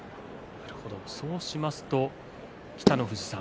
そうしますと北の富士さん